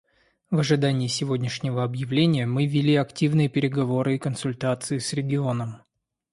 В ожидании сегодняшнего объявления мы вели активные переговоры и консультации с регионом.